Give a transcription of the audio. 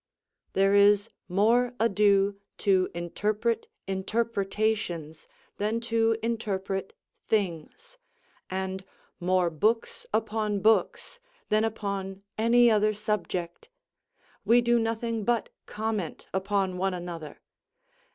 There is more ado to interpret interpretations than to interpret things, and more books upon books than upon any other subject; we do nothing but comment upon one another.